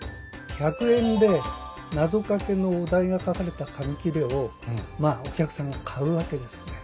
１００円でなぞかけのお題が書かれた紙切れをお客さんが買うわけですね。